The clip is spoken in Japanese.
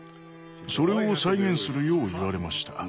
それを再現するよう言われました。